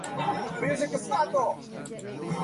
Layers of quartzite are found locally.